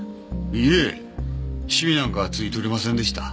いえシミなんかついておりませんでした。